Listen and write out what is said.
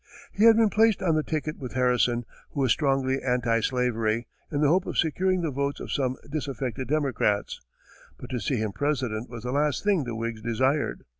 He had been placed on the ticket with Harrison, who was strongly anti slavery, in the hope of securing the votes of some disaffected Democrats, but to see him President was the last thing the Whigs desired.